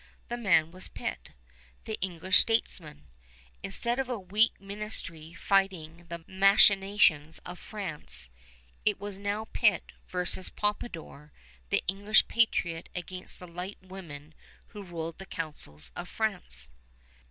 The man was Pitt, the English statesman. Instead of a weak ministry fighting the machinations of France, it was now Pitt versus Pompadour, the English patriot against the light woman who ruled the councils of France.